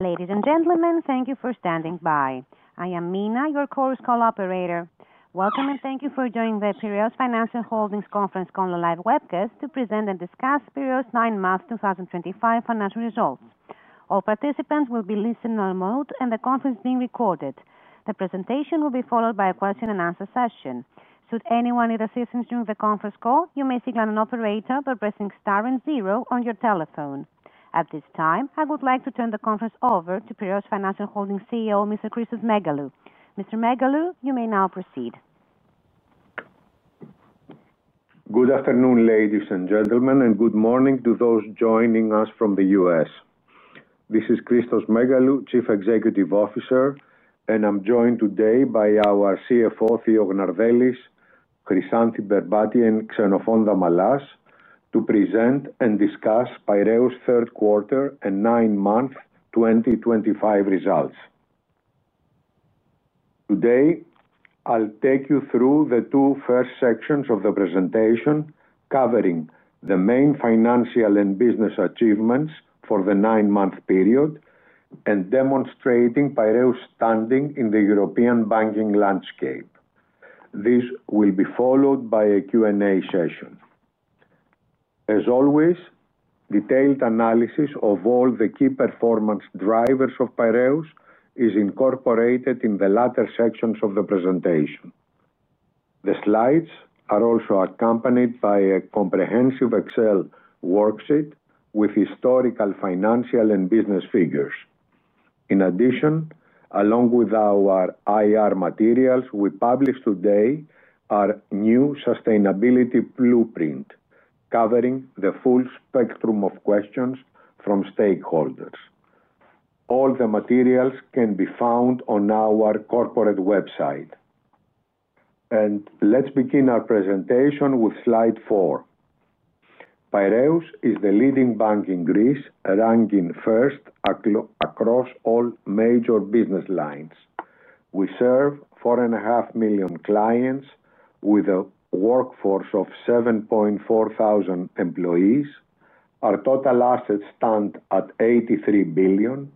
Ladies and gentlemen, thank you for standing by. I am Mina, your call's call operator. Welcome and thank you for joining the Piraeus Financial Holdings Conference Call, a live webcast to present and discuss Piraeus nine month 2025 financial results. All participants will be listened on remote, and the conference is being recorded. The presentation will be followed by a question-and-answer session. Should anyone need assistance during the conference call, you may signal an operator by pressing star and zero on your telephone. At this time, I would like to turn the conference over to Piraeus Financial Holdings CEO, Mr. Christos Megalou. Mr. Megalou, you may now proceed. Good afternoon, ladies and gentlemen, and good morning to those joining us from the U.S. This is Christos Megalou, Chief Executive Officer, and I'm joined today by our CFO, Theodore Gnardellis, Chryssanthi Berbati, and Xenofon Damas to present and discuss Piraeus third quarter and nine month 2025 results. Today I'll take you through the two first sections of the presentation covering the main financial and business achievements for the nine month period and demonstrating Piraeus standing in the European banking landscape. This will be followed by a Q&A session. As always, detailed analysis of all the key performance drivers of Piraeus is incorporated in the latter sections of the presentation. The slides are also accompanied by a comprehensive Excel worksheet with historical financial and business figures. In addition, along with our IR materials we published today, our new sustainability blueprint covering the full spectrum of questions from stakeholders. All the materials can be found on our corporate website. Let's begin our presentation with slide four. Piraeus is the leading bank in Greece, ranking first across all major business lines. We serve 4.5 million clients with a workforce of 7,400 employees. Our total assets stand at 83 billion,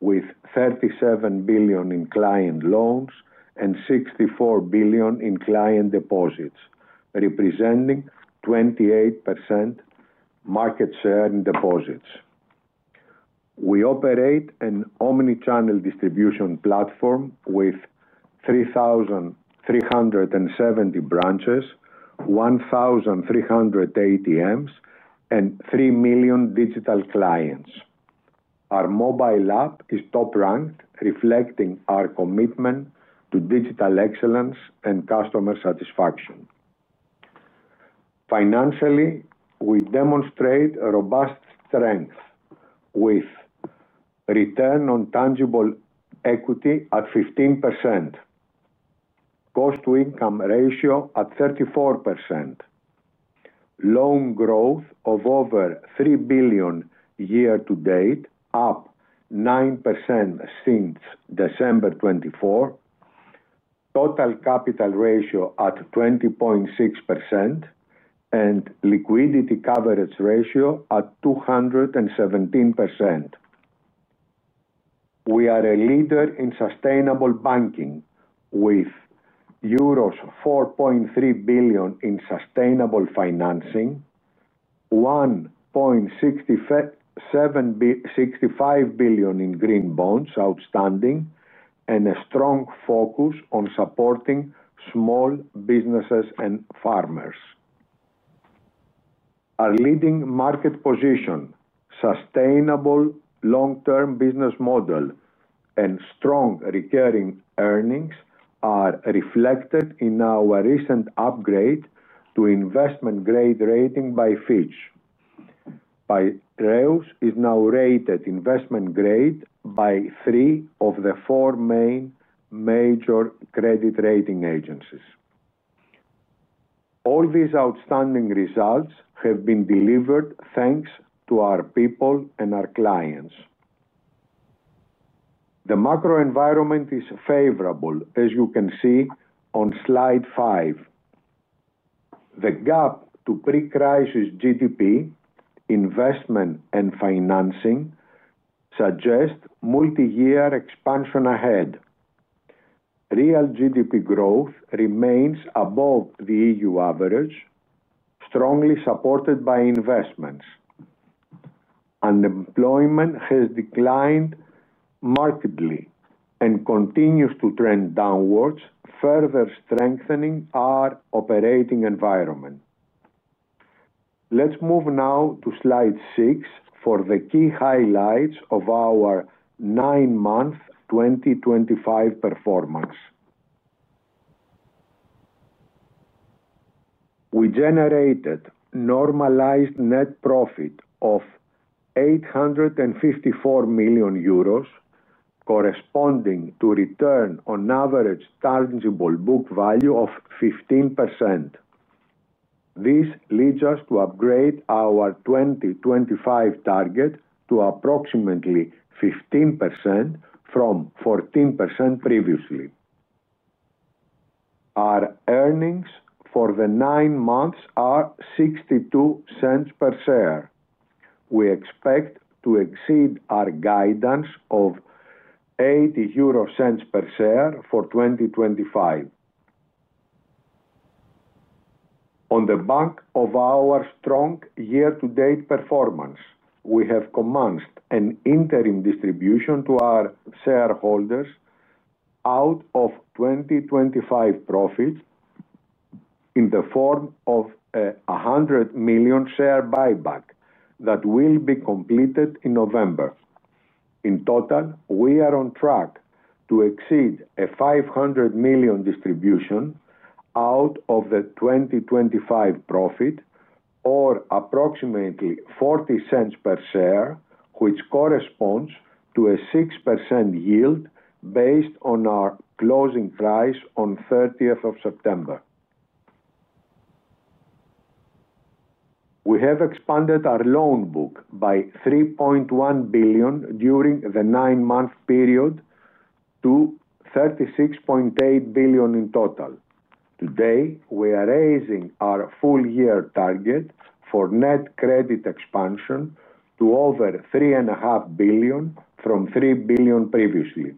with 37 billion in client loans and 64 billion in client deposits, representing 28% market share in deposits. We operate an omnichannel distribution platform with 370 branches, 1,300 ATMs, and 3 million digital clients. Our mobile app is top ranked, reflecting our commitment to digital excellence and customer satisfaction. Financially, we demonstrate robust strength with return on tangible equity at 15%, cost-to-income ratio at 34%, loan growth of over 3 billion year to date, up 9% since December 2024, total capital ratio at 20.6%, and liquidity coverage ratio at 217%. We are a leader in sustainable banking with euros 4.3 billion in sustainable financing, 1.65 billion in green bonds outstanding, and a strong focus on supporting small businesses and farmers. Our leading market position, sustainable long-term business model, and strong recurring earnings are reflected in our recent upgrade to investment grade rating by Fitch. Piraeus is now rated investment grade by three of the four main major credit rating agencies. All these outstanding results have been delivered thanks to our people and our clients. The macro environment is favorable, as you can see on slide five. The gap to pre-crisis GDP, investment, and financing suggests multi-year expansion ahead. Real GDP growth remains above the EU average, strongly supported by investments. Unemployment has declined markedly and continues to trend downwards, further strengthening our operating environment. Let's move now to slide six for the key highlights of our nine month 2025 performance. We generated normalized net profit of 854 million euros, corresponding to return on average tangible book value of 15%. This leads us to upgrade our 2025 target to approximately 15% from 14% previously. Our earnings for the nine months are 0.62 per share. We expect to exceed our guidance of 0.80 per share for 2025. On the back of our strong year-to-date performance, we have commenced an interim distribution to our shareholders out of 2025 profits in the form of a 100 million share buyback that will be completed in November. In total, we are on track to exceed a 500 million distribution out of the 2025 profit, or approximately 0.40 per share, which corresponds to a 6% yield based on our closing price on 30th of September. We have expanded our loan book by 3.1 billion during the nine month period to 36.8 billion in total. Today, we are raising our full year target for net credit expansion to over 3.5 billion from 3 billion previously.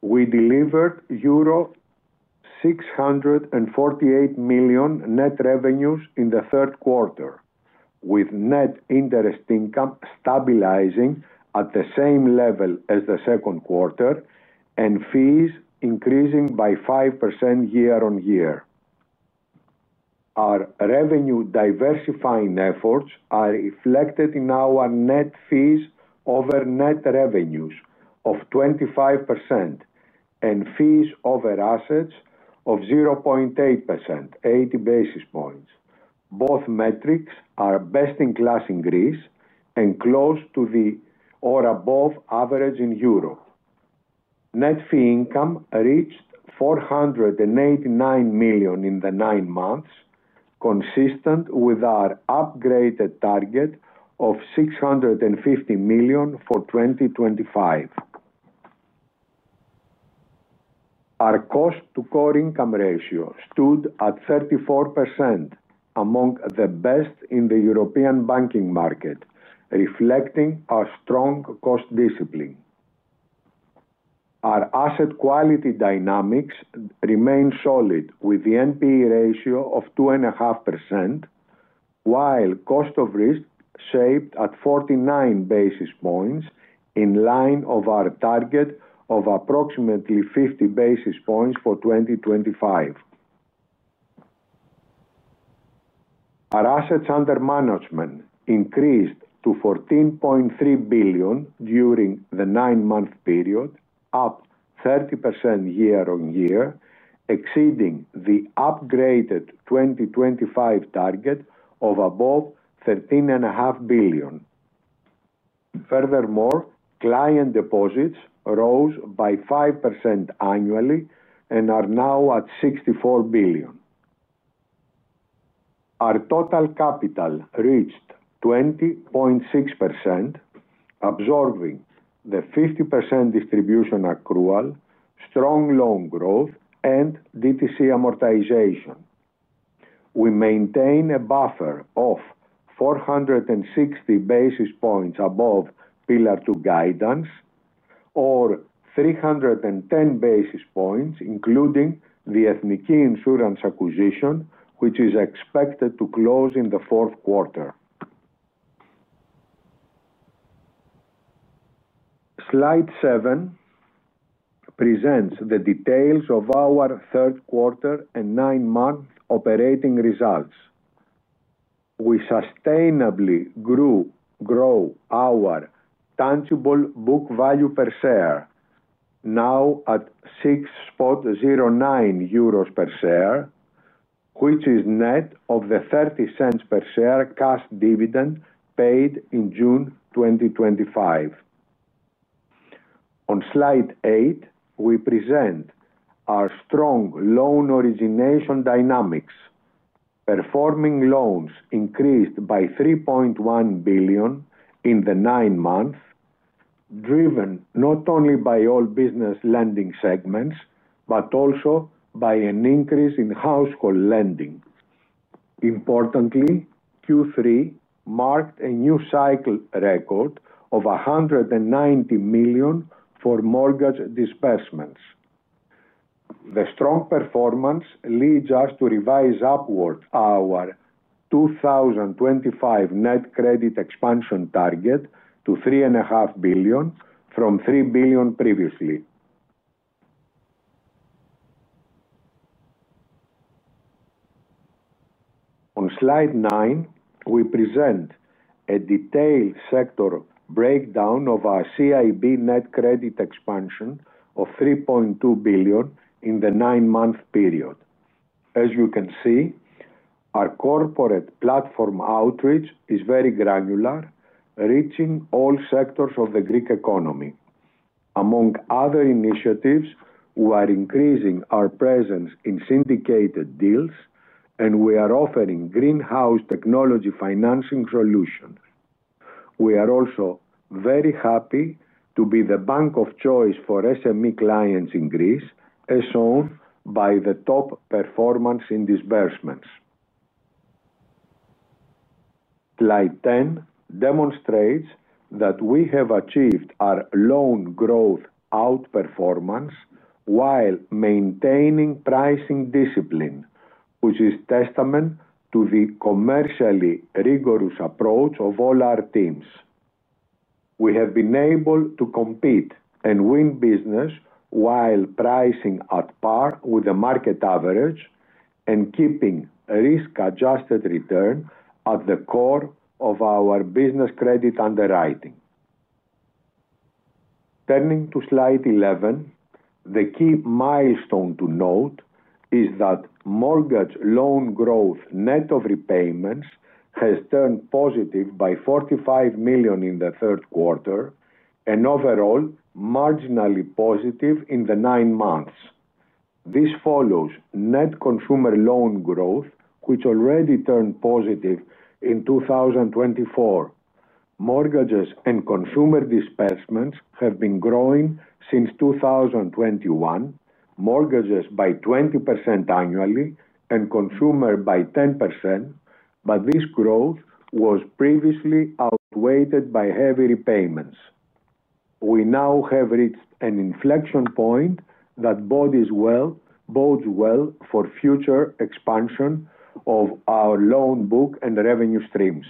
We delivered euro 648 million net revenues in the third quarter, with net interest income stabilizing at the same level as the second quarter and fees increasing by 5% year-on-year. Our revenue diversifying efforts are reflected in our net fees over net revenues of 25% and fees over assets of 0.8%, 80 basis points. Both metrics are best in class in Greece and close to or above average in Europe. Net fee income reached 489 million in the nine months, consistent with our upgraded target of 650 million for 2025. Our cost to core income ratio stood at 34%, among the best in the European banking market, reflecting our strong cost discipline. Our asset quality dynamics remain solid with the NPE ratio of 2.5%, while cost of risk shaped at 49 basis points in line with our target of approximately 50 basis points for 2025. Our assets under management increased to 14.3 billion during the nine month period, up 30% year-on-year, exceeding the upgraded 2025 target of above 13.5 billion. Furthermore, client deposits rose by 5% annually and are now at 64 billion. Our total capital reached 20.6 billion. Absorbing the 50% distribution accrual, strong loan growth, and DTC amortization. We maintain a buffer of 460 basis points above Pillar 2 Guidance, or 310 basis points including the Ethniki Insurance acquisition, which is expected to close in the fourth quarter. Slide seven presents the details of our third quarter and nine month operating results. We sustainably grow our tangible book value per share, now at 6.09 euros per share, which is net of the 0.30 per share cash dividend paid in June 2025. On slide eight, we present our strong loan origination dynamics. Performing loans increased by 3.1 billion in the nine months, driven not only by all business lending segments but also by an increase in household lending. Importantly, Q3 marked a new cycle record of 190 million for mortgage disbursements. The strong performance leads us to revise upward our 2025 net credit expansion target to 3.5 billion from 3 billion previously. On slide nine, we present a detailed sector breakdown of our CIB net credit expansion of 3.2 billion in the nine month period. As you can see, our corporate platform outreach is very granular, reaching all sectors of the Greek economy. Among other initiatives, we are increasing our presence in syndicated deals, and we are offering greenhouse technology financing solutions. We are also very happy to be the bank of choice for SME clients in Greece, as shown by the top performance in disbursements. Slide 10 demonstrates that we have achieved our loan growth outperformance while maintaining pricing discipline, which is testament to the commercially rigorous approach of all our teams. We have been able to compete and win business while pricing at par with the market average and keeping risk-adjusted return at the core of our business credit underwriting. Turning to slide 11, the key milestone to note is that mortgage loan growth net of repayments has turned positive by 45 million in the third quarter and overall marginally positive in the nine months. This follows net consumer loan growth, which already turned positive in 2024. Mortgages and consumer disbursements have been growing since 2021, mortgages by 20% annually and consumer by 10%, but this growth was previously outweighed by heavy repayments. We now have reached an inflection point that bodes well for future expansion of our loan book and revenue streams.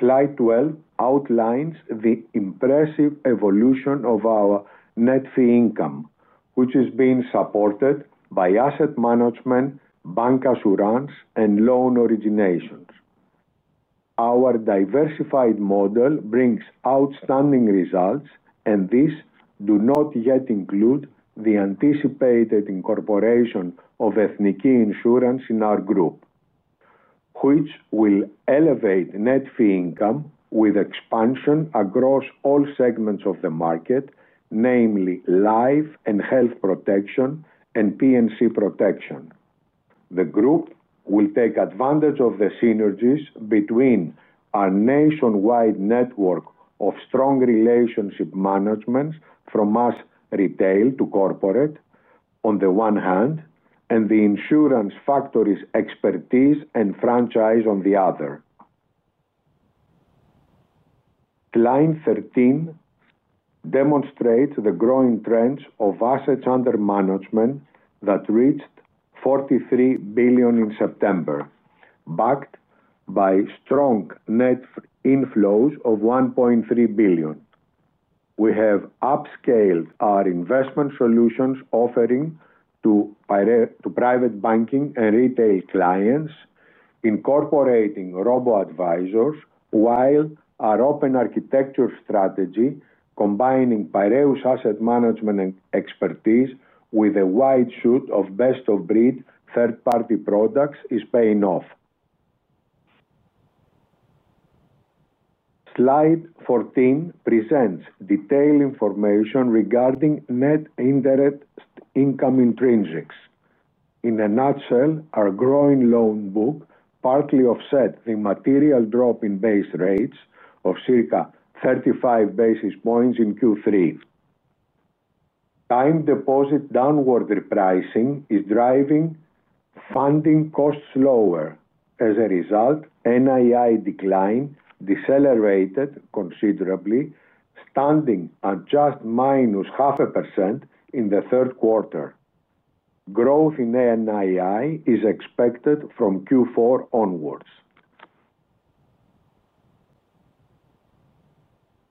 Slide 12 outlines the impressive evolution of our net fee income, which is being supported by asset management, bancassurance, and loan originations. Our diversified model brings outstanding results, and these do not yet include the anticipated incorporation of Ethniki Insurance in our group, which will elevate net fee income with expansion across all segments of the market, namely life and health protection and P&C protection. The group will take advantage of the synergies between our nationwide network of strong relationship management from U.S. retail to corporate on the one hand, and the insurance factories' expertise and franchise on the other. Slide 13 demonstrates the growing trends of assets under management that reached 43 billion in September, backed by strong net inflows of 1.3 billion. We have upscaled our investment solutions offering to private banking and retail clients, incorporating robo-advisors, while our open architecture strategy, combining Piraeus Asset Management and expertise with a wide suite of best-of-breed third-party products, is paying off. Slide 14 presents detailed information regarding net interest income intrinsics. In a nutshell, our growing loan book partly offsets the material drop in base rates of circa 35 basis points in Q3. Time deposit downward repricing is driving funding costs lower. As a result, NII decline decelerated considerably, standing at just -0.5% in the third quarter. Growth in NII is expected from Q4 onwards.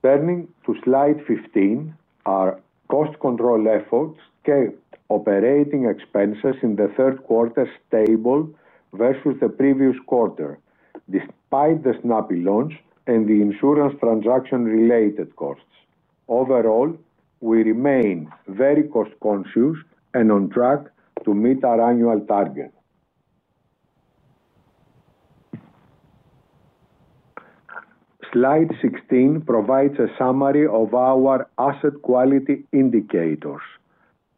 Turning to slide 15, our cost control efforts kept operating expenses in the third quarter stable versus the previous quarter, despite the Snappi launch and the insurance transaction-related costs. Overall, we remain very cost-conscious and on track to meet our annual target. Slide 16 provides a summary of our asset quality indicators.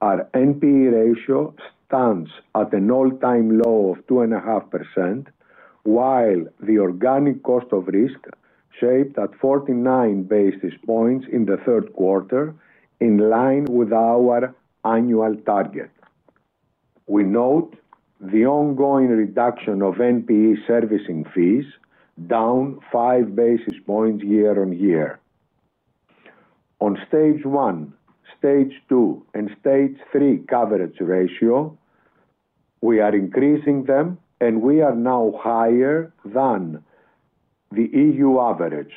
Our NPE ratio stands at an all-time low of 2.5%, while the organic cost of risk shaped at 49 basis points in the third quarter, in line with our annual target. We note the ongoing reduction of NPE servicing fees, down 5 basis points year-on-year. On stage one, stage two, and stage three coverage ratio, we are increasing them, and we are now higher than the EU average.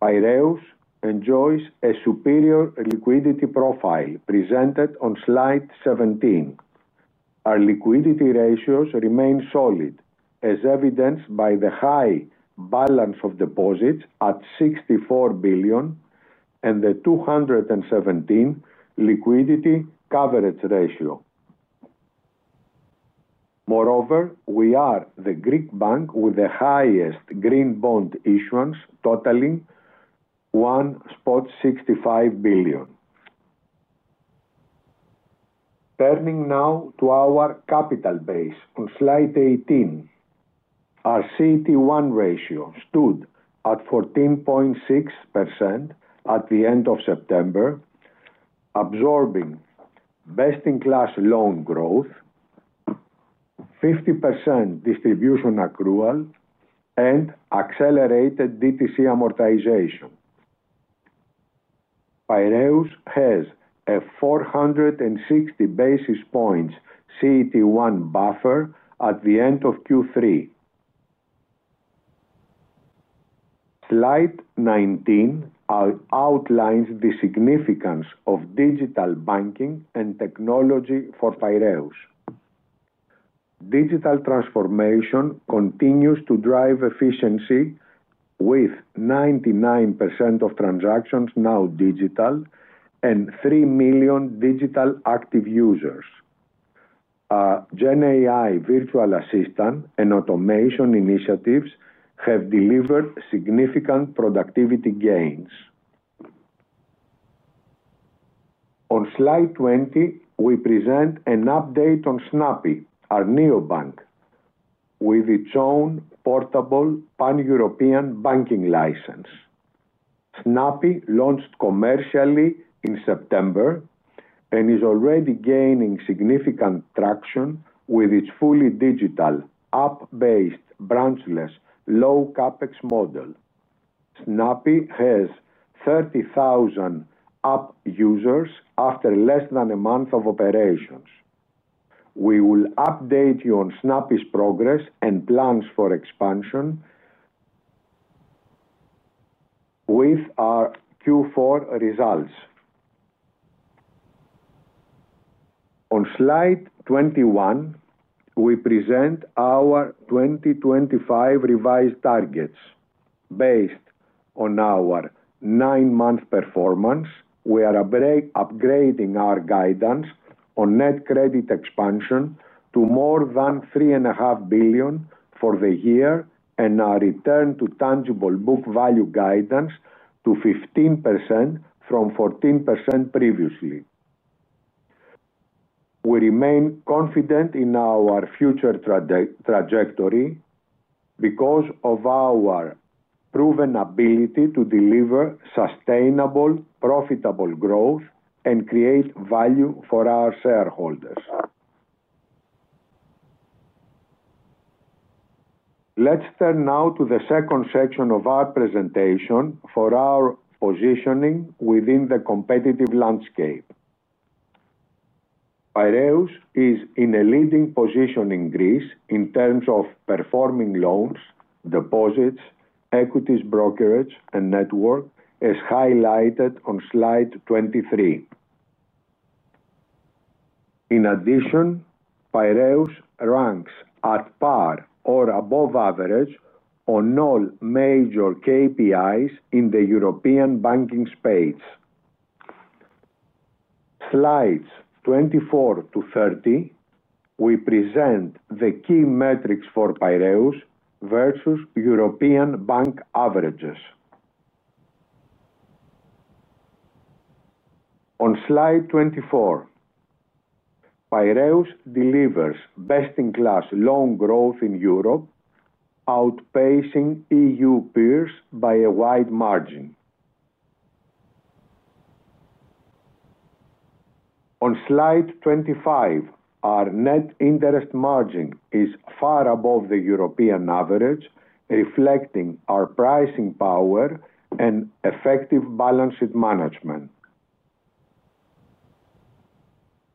Piraeus enjoys a superior liquidity profile presented on slide 17. Our liquidity ratios remain solid, as evidenced by the high balance of deposits at 64 billion and the 217 liquidity coverage ratio. Moreover, we are the Greek bank with the highest green bond issuance, totaling EUR 1.65 billion. Turning now to our capital base, on slide 18. Our CET1 ratio stood at 14.6% at the end of September, absorbing best in class loan growth, 50% distribution accrual, and accelerated DTC amortization. Piraeus has a 460 basis points CET1 buffer at the end of Q3. Slide 19 outlines the significance of digital banking and technology for Piraeus. Digital transformation continues to drive efficiency, with 99% of transactions now digital and 3 million digital active users. Our GenAI virtual assistant and automation initiatives have delivered significant productivity gains. On slide 20, we present an update on Snappi, our neobank with its own portable pan-European banking license. Snappi launched commercially in September and is already gaining significant traction with its fully digital app-based branchless low CapEx model. Snappi has 30,000 app users after less than a month of operations. We will update you on Snappi's progress and plans for expansion with our Q4 results. On slide 21, we present our 2025 revised targets. Based on our nine month performance, we are upgrading our guidance on net credit expansion to more than 3.5 billion for the year and our return on tangible book value guidance to 15% from 14% previously. We remain confident in our future trajectory because of our proven ability to deliver sustainable, profitable growth and create value for our shareholders. Let's turn now to the second section of our presentation for our positioning within the competitive landscape. Piraeus is in a leading position in Greece in terms of performing loans, deposits, equities brokerage, and network, as highlighted on slide 23. In addition, Piraeus ranks at par or above average on all major KPIs in the European banking space. Slides 24 to 30 present the key metrics for Piraeus versus European bank averages. On slide 24, Piraeus delivers best in class loan growth in Europe, outpacing EU peers by a wide margin. On slide 25, our net interest margin is far above the European average, reflecting our pricing power and effective balance sheet management.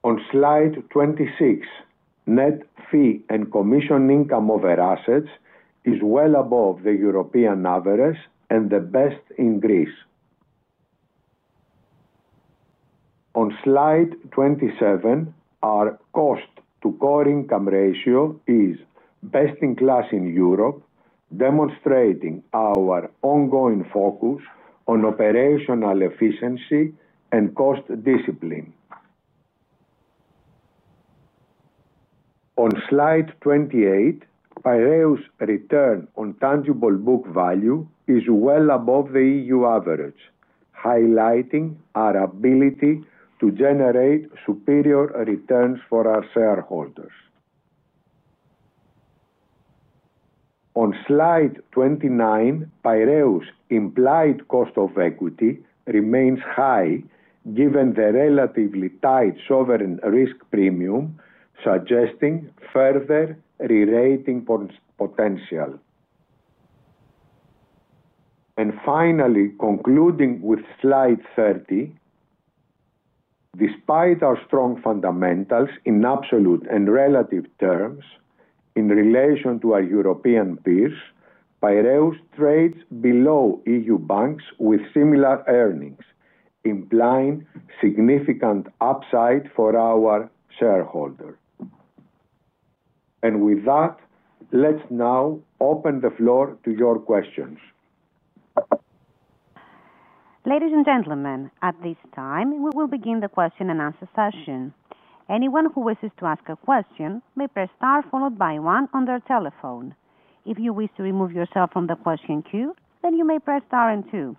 On slide 26, net fee and commission income over assets is well above the European average and the best in Greece. On slide 27, our cost-to-core income ratio is best in class in Europe, demonstrating our ongoing focus on operational efficiency and cost discipline. On slide 28, Piraeus' return on tangible book value is well above the EU average, highlighting our ability to generate superior returns for our shareholders. On slide 29, Piraeus' implied cost of equity remains high, given the relatively tight sovereign risk premium, suggesting further re-rating potential. Finally, concluding with slide 30. Despite our strong fundamentals in absolute and relative terms in relation to our European peers, Piraeus trades below EU banks with similar earnings, implying significant upside for our shareholders. With that, let's now open the floor to your questions. Ladies and gentlemen, at this time, we will begin the question and answer session. Anyone who wishes to ask a question may press star followed by one on their telephone. If you wish to remove yourself from the question queue, then you may press star and two.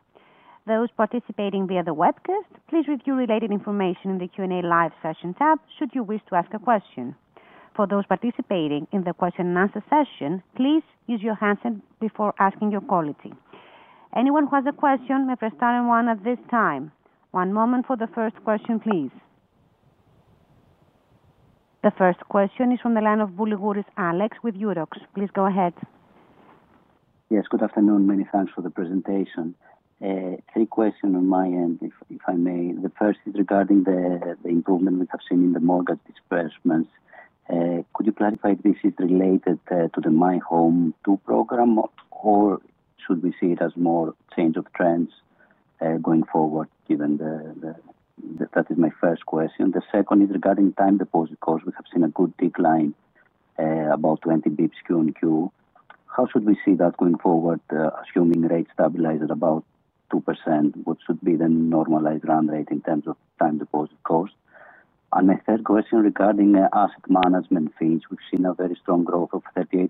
Those participating via the webcast, please review related information in the Q&A live session tab should you wish to ask a question. For those participating in the question and answer session, please use your hands before asking your question. Anyone who has a question may press star and one at this time. One moment for the first question, please. The first question is from the line of Boulougouris, Alex, with Euroxx. Please go ahead. Yes, good afternoon. Many thanks for the presentation. Three questions on my end, if I may. The first is regarding the improvement we have seen in the mortgage disbursements. Could you clarify if this is related to the My Home II program, or should we see it as more change of trends going forward? That is my first question. The second is regarding time deposit costs. We have seen a good decline, about 20 bps QoQ. How should we see that going forward, assuming rates stabilize at about 2%? What should be the normalized run rate in terms of time deposit costs? My third question regarding asset management fees. We've seen a very strong growth of 38%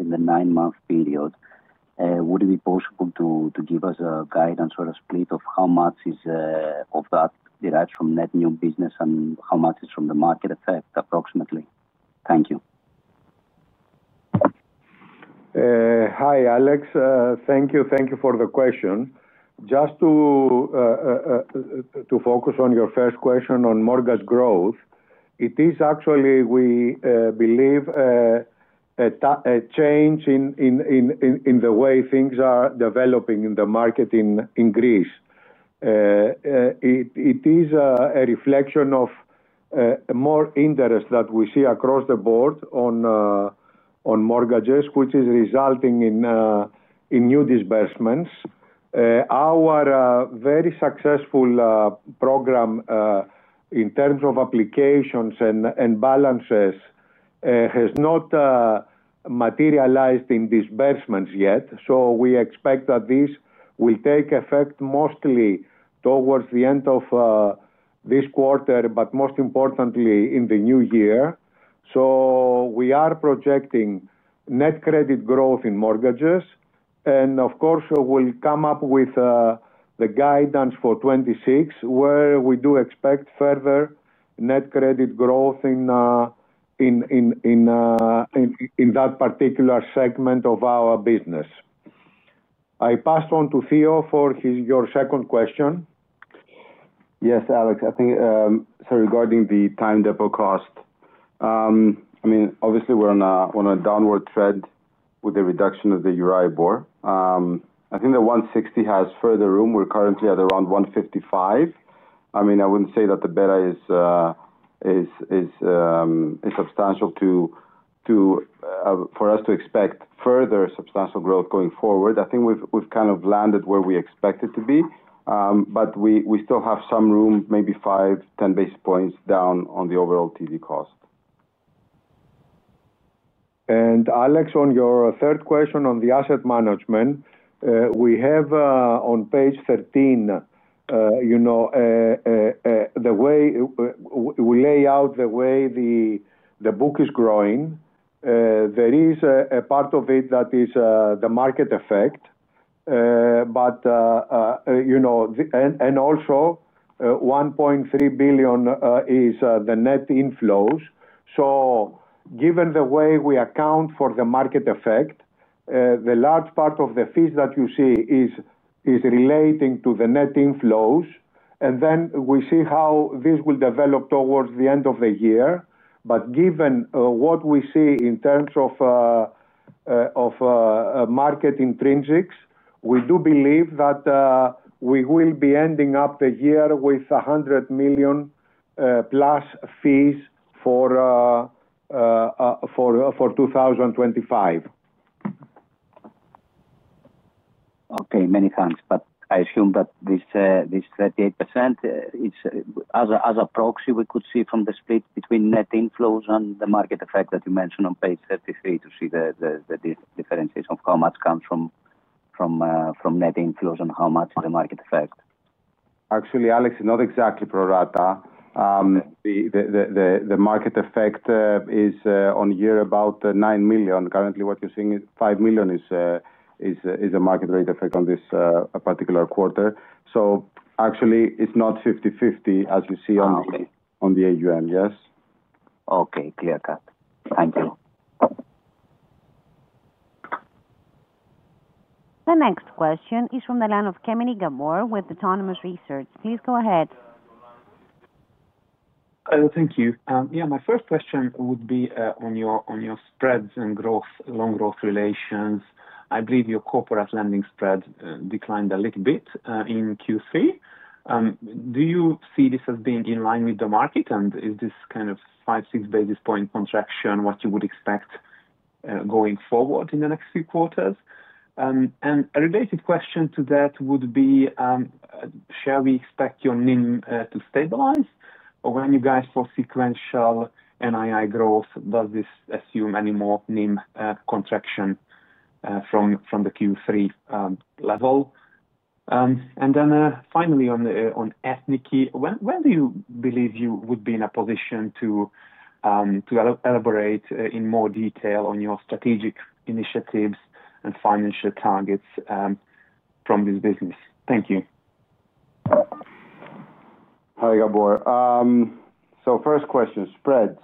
in the nine-month period. Would it be possible to give us a guidance or a split of how much of that derives from net new business and how much is from the market effect, approximately? Thank you. Hi, Alex. Thank you for the question. Just to focus on your first question on mortgage growth, it is actually, we believe, a change in the way things are developing in the market in Greece. It is a reflection of more interest that we see across the board on mortgages, which is resulting in new disbursements. Our very successful program in terms of applications and balances has not materialized in disbursements yet. We expect that this will take effect mostly towards the end of this quarter, but most importantly, in the new year. We are projecting net credit growth in mortgages, and we will come up with the guidance for 2026, where we do expect further net credit growth in that particular segment of our business. I pass on to Theo for your second question. Yes, Alex. Regarding the time deposit cost, obviously, we're on a downward trend with the reduction of the Euribor. I think the 160 has further room. We're currently at around 155. I wouldn't say that the better is substantial for us to expect further substantial growth going forward. I think we've kind of landed where we expect it to be, but we still have some room, maybe 5 basis points-10 basis points down on the overall TD cost. Alex, on your third question on the asset management, we have on page 13 the way we lay out the way the book is growing. There is a part of it that is the market effect, and also 1.3 billion is the net inflows. Given the way we account for the market effect, the large part of the fees that you see is relating to the net inflows. We see how this will develop towards the end of the year, but given what we see in terms of market intrinsics, we do believe that we will be ending up the year with 100 million plus fees for 2025. Many thanks. I assume that this 38% as a proxy, we could see from the split between net inflows and the market effect that you mentioned on page 33 to see the differentiation of how much comes from net inflows and how much is the market effect. Actually, Alex, not exactly prorata. The market effect is on year about 9 million. Currently, what you're seeing is 5 million is the market rate effect on this particular quarter. Actually, it's not 50/50 as you see on the AUM, yes? Clear cut. Thank you. The next question is from Kemeny Gabor with Autonomous Research. Please go ahead. Thank you. My first question would be on your spreads and growth, loan growth relations. I believe your corporate lending spread declined a little bit in Q3. Do you see this as being in line with the market? Is this kind of 5 basis points-6 basis point contraction what you would expect going forward in the next few quarters? A related question to that would be, shall we expect your NIM to stabilize, or when you guide for sequential NII growth, does this assume any more NIM contraction? From the Q3 level? And then finally, on Ethniki, when do you believe you would be in a position to elaborate in more detail on your strategic initiatives and financial targets from this business? Thank you. Hi, Gabor. So first question, spreads.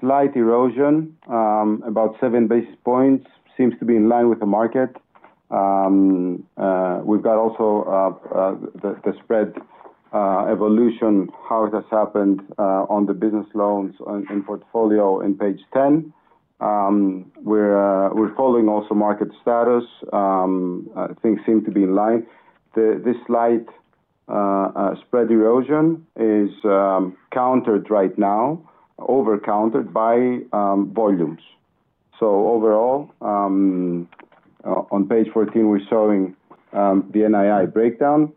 Slight erosion, about 7 basis points, seems to be in line with the market. We've got also the spread evolution, how it has happened on the business loans and portfolio in page 10. We're following also market status. Things seem to be in line. This slight spread erosion is countered right now, overcountered by volumes. Overall, on page 14, we're showing the NII breakdown.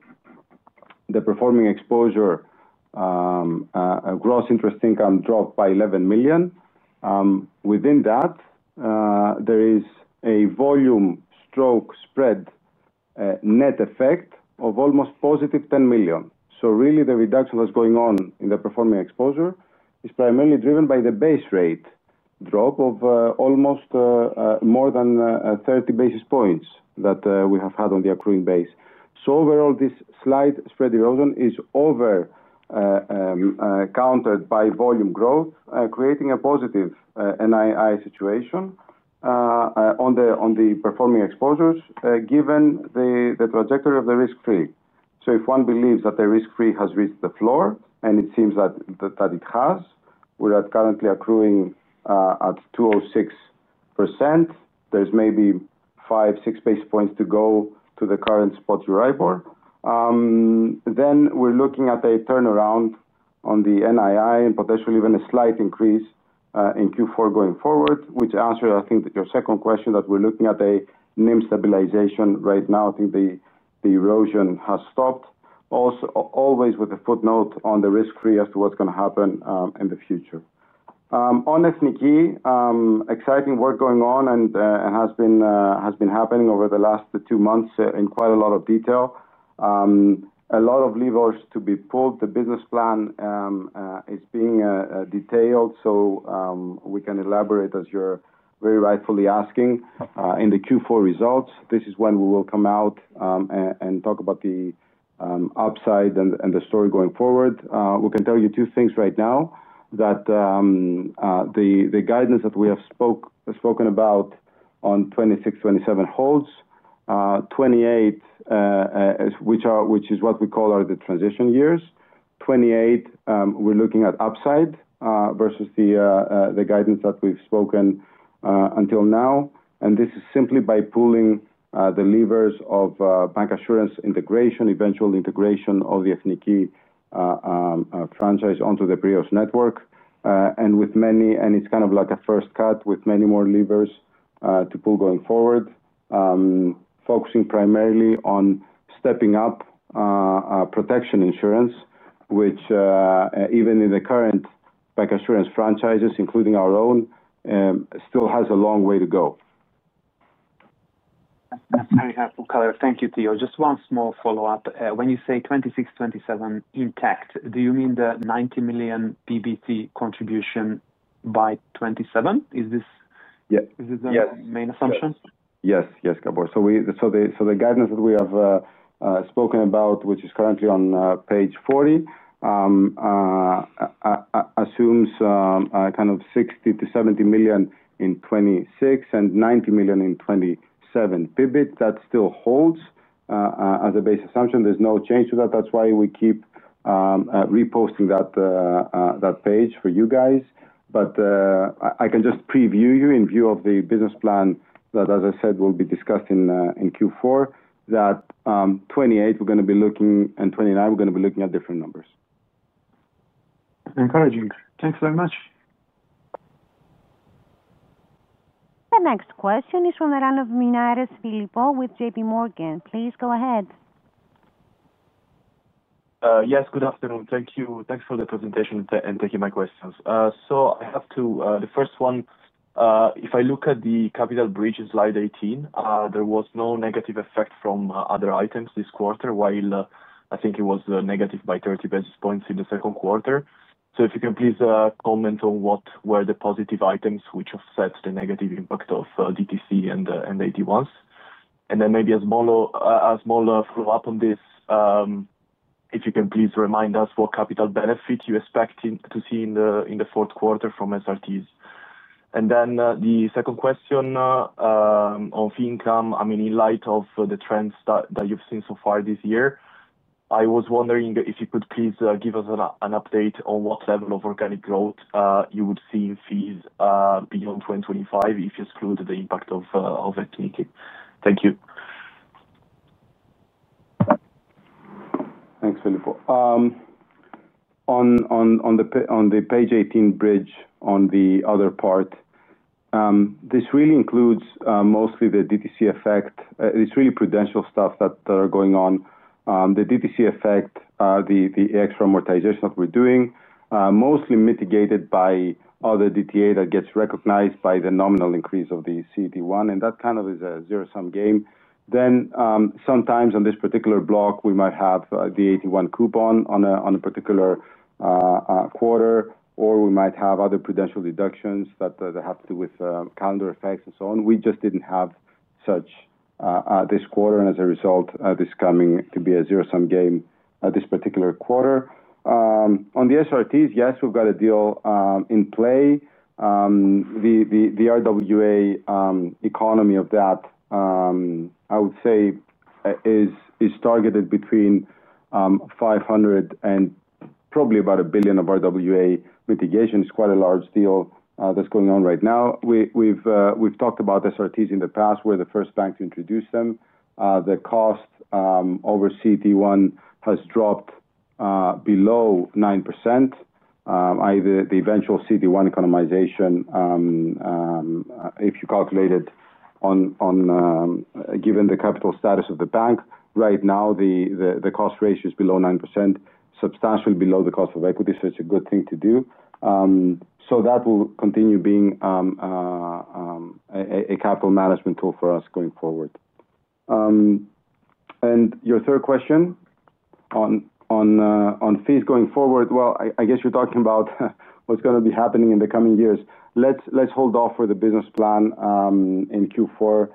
The performing exposure gross interest income dropped by $11 million. Within that, there is a volume stroke spread net effect of almost positive $10 million. Really, the reduction that's going on in the performing exposure is primarily driven by the base rate drop of more than 30 basis points that we have had on the accruing base. Overall, this slight spread erosion is overcountered by volume growth, creating a positive NII situation on the performing exposures given the trajectory of the risk-free. If one believes that the risk-free has reached the floor, and it seems that it has, we're currently accruing at 2.06%. There's maybe 5, 6 basis points to go to the current spot Euribor. We're looking at a turnaround on the NII and potentially even a slight increase in Q4 going forward, which answers, I think, your second question that we're looking at a NIM stabilization right now. I think the erosion has stopped, always with a footnote on the risk-free as to what's going to happen in the future. On Ethniki, exciting work going on and has been happening over the last two months in quite a lot of detail. A lot of levers to be pulled. The business plan is being detailed so we can elaborate, as you're very rightfully asking, in the Q4 results. This is when we will come out and talk about the upside and the story going forward. We can tell you two things right now. The guidance that we have spoken about on 2026, 2027 holds. 2028, which is what we call the transition years. 2028, we're looking at upside versus the guidance that we've spoken until now. This is simply by pulling the levers of bancassurance integration, eventual integration of the Ethniki franchise onto the Piraeus network. It's kind of like a first cut with many more levers to pull going forward, focusing primarily on stepping up. Protection insurance, which, even in the current bancassurance franchises, including our own, still has a long way to go. That's very helpful, Kalev. Thank you, Theo. Just one small follow-up. When you say 2026, 2027 intact, do you mean the 90 million PBT contribution by 2027? Is this the main assumption? Yes. Yes, Gabor. So the guidance that we have spoken about, which is currently on page 40, assumes kind of 60 million-70 million in 2026 and 90 million in 2027 PBT. That still holds as a base assumption. There's no change to that. That's why we keep reposting that page for you guys. I can just preview you, in view of the business plan that, as I said, will be discussed in Q4, that 2028, we're going to be looking, and 2029, we're going to be looking at different numbers. Encouraging. Thanks very much. The next question is from the line of Filippo Minas, with JPMorgan. Please go ahead. Yes, good afternoon. Thank you. Thanks for the presentation and taking my questions. I have two. The first one, if I look at the capital bridge in slide 18, there was no negative effect from other items this quarter, while I think it was negative by 30 basis points in the second quarter. If you can please comment on what were the positive items which offset the negative impact of DTC and AT1s. Maybe a small follow-up on this. If you can please remind us what capital benefit you expect to see in the fourth quarter from SRTs. The second question, on fee income, in light of the trends that you've seen so far this year, I was wondering if you could please give us an update on what level of organic growth you would see in fees beyond 2025 if you exclude the impact of Ethniki. Thank you. Thanks, [Filipo]. On the page 18 bridge, on the other part, this really includes mostly the DTC effect. It's really prudential stuff that is going on. The DTC effect, the extra amortization that we're doing, mostly mitigated by other DTA that gets recognized by the nominal increase of the CET1. That kind of is a zero-sum game. Sometimes on this particular block, we might have the AT1 coupon on a particular quarter, or we might have other prudential deductions that have to do with calendar effects and so on. We just didn't have such this quarter, and as a result, this is coming to be a zero-sum game this particular quarter. On the SRTs, yes, we've got a deal in play. The RWA economy of that, I would say, is targeted between. $500 million and probably about $1 billion of RWA mitigation. It's quite a large deal that's going on right now. We've talked about SRTs in the past. We're the first bank to introduce them. The cost over CET1 has dropped below 9%. The eventual CET1 economization, if you calculate it, given the capital status of the bank right now, the cost ratio is below 9%, substantially below the cost of equity. It's a good thing to do. That will continue being a capital management tool for us going forward. Your third question on fees going forward, I guess you're talking about what's going to be happening in the coming years. Let's hold off for the business plan in Q4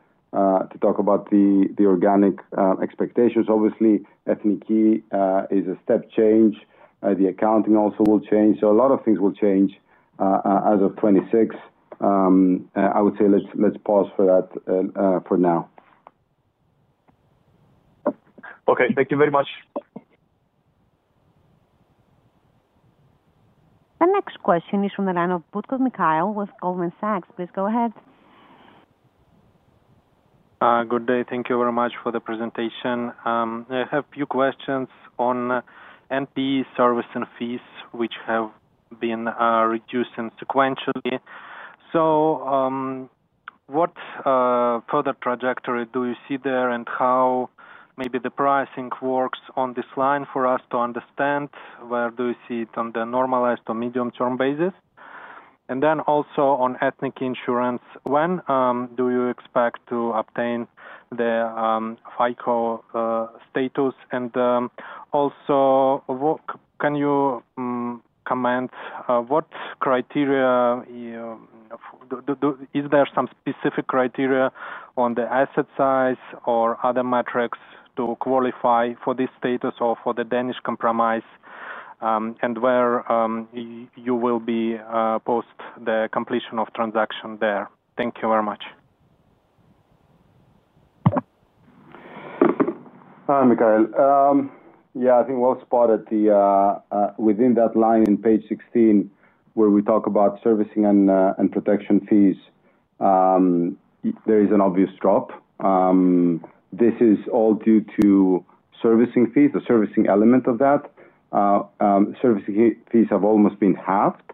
to talk about the organic expectations. Obviously, Ethniki is a step change. The accounting also will change, so a lot of things will change as of 2026. I would say let's pause for that for now. Thank you very much. The next question is from Butkov Mikhail with Goldman Sachs. Please go ahead. Good day. Thank you very much for the presentation. I have a few questions on NPE service and fees, which have been reduced sequentially. What further trajectory do you see there and how maybe the pricing works on this line for us to understand? Where do you see it on the normalized or medium-term basis? Also, on Ethniki Insurance, when do you expect to obtain the FICO status? Can you comment, what criteria? Is there some specific criteria on the asset size or other metrics to qualify for this status or for the Danish Compromise? Where will you be post the completion of transaction there? Thank you very much. Hi, Mikhail. I think well spotted within that line in page 16, where we talk about servicing and protection fees. There is an obvious drop. This is all due to servicing fees, the servicing element of that. Servicing fees have almost been halved.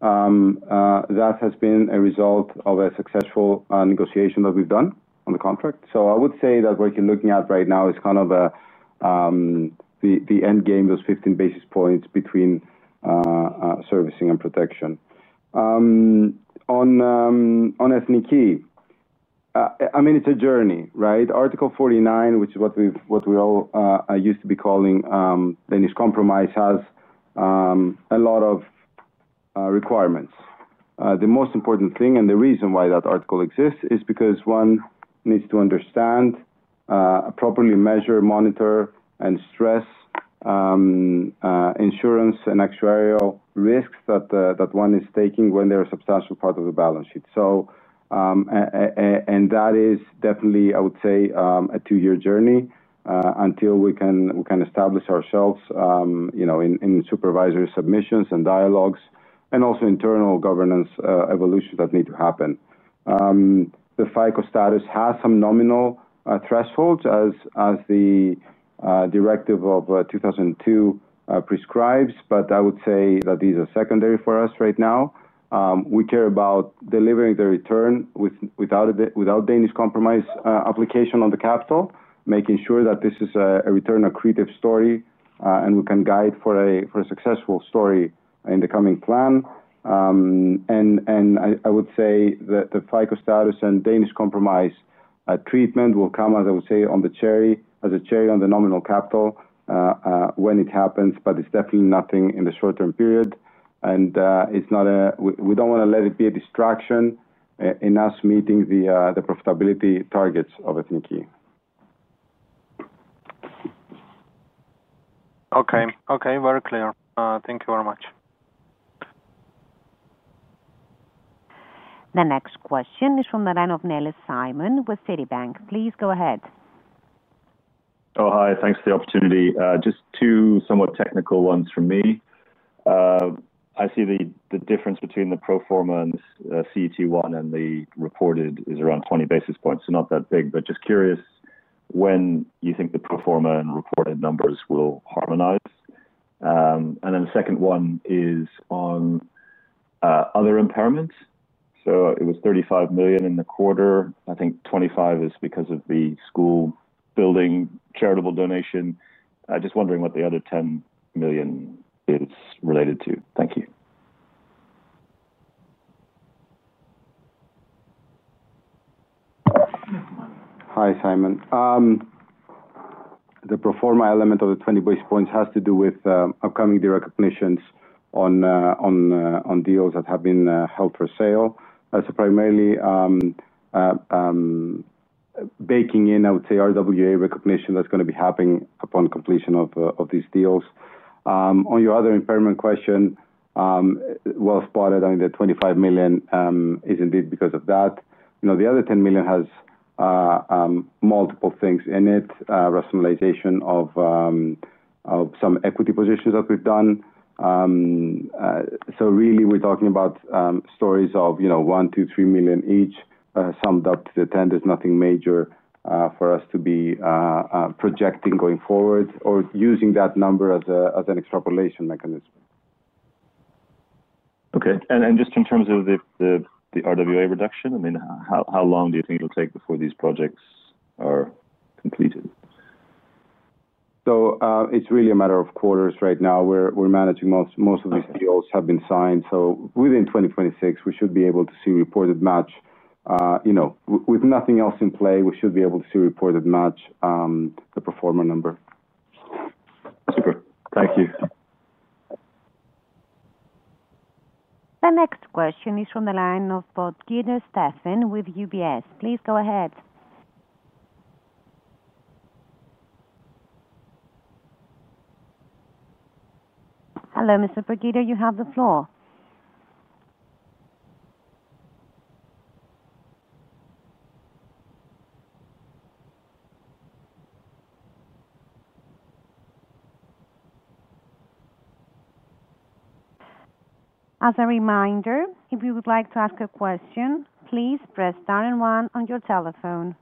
That has been a result of a successful negotiation that we've done on the contract. I would say that what you're looking at right now is kind of the end game, those 15 basis points between servicing and protection. On Ethniki, it's a journey, right? Article 49, which is what we all used to be calling Danish Compromise, has a lot of requirements. The most important thing and the reason why that article exists is because one needs to understand, properly measure, monitor, and stress. Insurance and actuarial risks that one is taking when they are a substantial part of the balance sheet. That is definitely, I would say, a two-year journey until we can establish ourselves in supervisory submissions and dialogues, and also internal governance evolutions that need to happen. The FICO status has some nominal thresholds as the Directive of 2002 prescribes, but I would say that these are secondary for us right now. We care about delivering the return without Danish Compromise application on the capital, making sure that this is a return accretive story, and we can guide for a successful story in the coming plan. I would say that the FICO status and Danish Compromise treatment will come, as I would say, as a cherry on the nominal capital when it happens, but it's definitely nothing in the short-term period. We don't want to let it be a distraction in us meeting the profitability targets of Ethniki. Okay. Very clear. Thank you very much. The next question is from Nellis Simon with Citibank. Please go ahead. Oh, hi. Thanks for the opportunity. Just two somewhat technical ones from me. I see the difference between the pro forma and CET1 and the reported is around 20 basis points, so not that big, but just curious when you think the pro forma and reported numbers will harmonize. The second one is on other impairments. It was $35 million in the quarter. I think $25 million is because of the school building charitable donation. I'm just wondering what the other $10 million is related to. Thank you. Hi, Simon. The pro forma element of the 20 basis points has to do with upcoming direct recognitions on deals that have been held for sale. That's primarily baking in, I would say, RWA recognition that's going to be happening upon completion of these deals. On your other impairment question, well spotted, I mean, the $25 million is indeed because of that. The other $10 million has multiple things in it, rationalization of some equity positions that we've done. So really, we're talking about stories of one, two, three million each, summed up to the $10 million. There's nothing major for us to be projecting going forward or using that number as an extrapolation mechanism. Okay. Just in terms of the RWA reduction, how long do you think it'll take before these projects are completed? It's really a matter of quarters right now. Most of these deals have been signed. Within 2026, we should be able to see reported match. With nothing else in play, we should be able to see reported match. The pro forma number. Super. Thank you. The next question is from the line of [Boudkieder Steffen] with UBS. Please go ahead. Hello, [Mr. Boudkieder.] You have the floor. As a reminder, if you would like to ask a question, please press star and one on your telephone.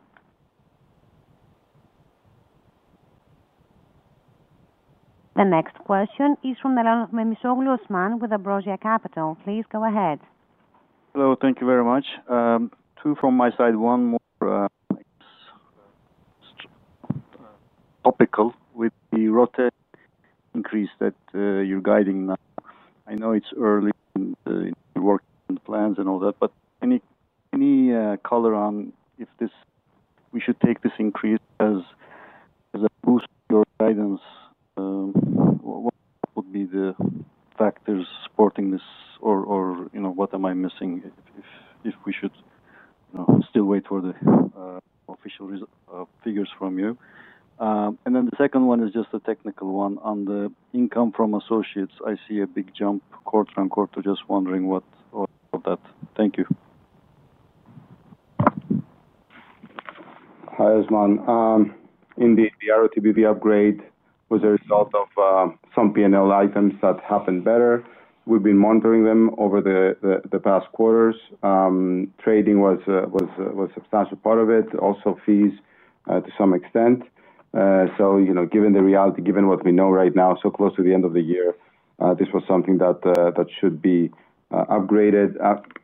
The next question is from the line of Memisoglu Osman with Ambrosia Capital. Please go ahead. Hello. Thank you very much. Two from my side. One more topical with the rotate increase that you're guiding now. I know it's early in the work and plans and all that, but any color on if we should take this increase as a boost to your guidance. What would be the factors supporting this, or what am I missing if we should still wait for the official figures from you? The second one is just a technical one. On the income from associates, I see a big jump quarter on quarter. Just wondering what that. Thank you. Hi, Osman. Indeed, the RWA upgrade was a result of some P&L items that happened better. We've been monitoring them over the past quarters. Trading was a substantial part of it. Also, fees to some extent. Given the reality, given what we know right now, so close to the end of the year, this was something that should be upgraded.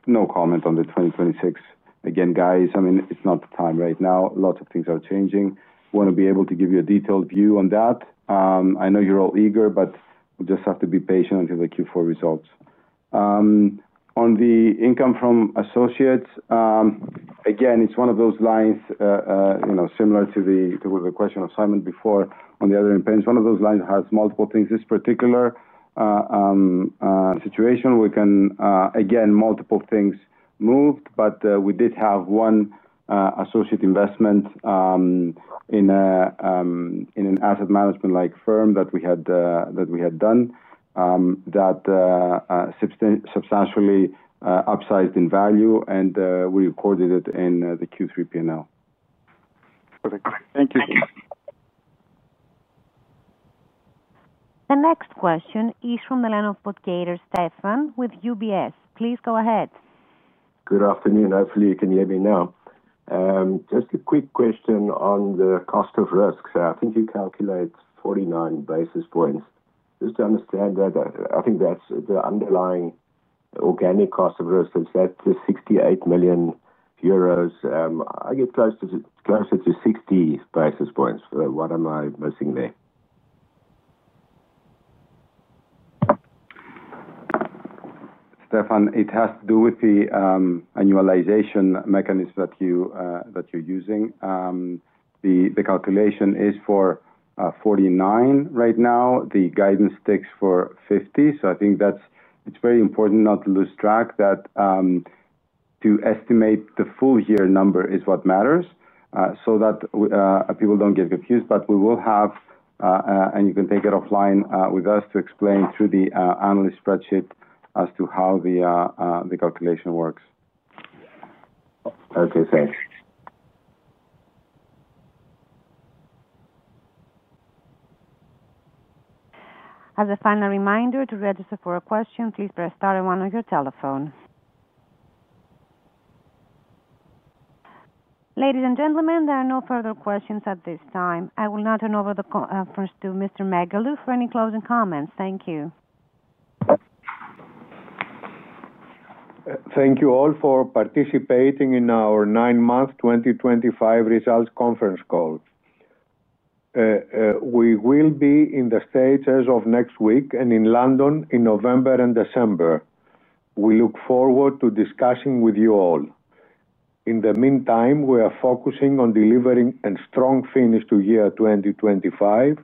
No comment on the 2026. Again, guys, it's not the time right now. Lots of things are changing. I want to be able to give you a detailed view on that. I know you're all eager, but we just have to be patient until the Q4 results. On the income from associates, again, it's one of those lines. Similar to the question of Simon before, on the other impends, one of those lines has multiple things. This particular situation, we can, again, multiple things moved, but we did have one associate investment in an asset management-like firm that we had done. That substantially upsized in value, and we recorded it in the Q3 P&L. Perfect. Thank you. The next question is from the line of [Boudkieder Steffen] with UBS. Please go ahead. Good afternoon. Hopefully, you can hear me now. Just a quick question on the cost of risk. I think you calculate 49 basis points. Just to understand that, I think that's the underlying organic cost of risk. It's at the 68 million euros. I get closer to 60 basis points. What am I missing there? Stefan, it has to do with the annualization mechanism that you're using. The calculation is for 49 right now. The guidance sticks for 50. I think it's very important not to lose track of that. To estimate the full year number is what matters so that people don't get confused. You can take it offline with us to explain through the analyst spreadsheet as to how the calculation works. Okay. Thanks. As a final reminder, to register for a question, please press star and one on your telephone. Ladies and gentlemen, there are no further questions at this time. I will now turn over the conference to Mr. Megalou for any closing comments. Thank you. Thank you all for participating in our Nine Month 2025 Results Conference Call. We will be in the States as of next week and in London in November and December. We look forward to discussing with you all. In the meantime, we are focusing on delivering a strong finish to year 2025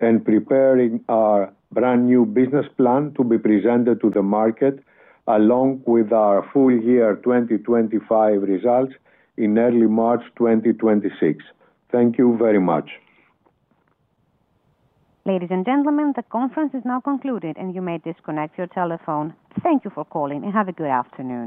and preparing our brand new business plan to be presented to the market along with our full year 2025 results in early March 2026. Thank you very much. Ladies and gentlemen, the conference is now concluded, and you may disconnect your telephone. Thank you for calling, and have a good afternoon.